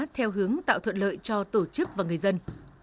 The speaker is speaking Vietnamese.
theo hướng tạo thuận lợi cho tổ chức và người dân